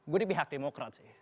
gue di pihak demokrat sih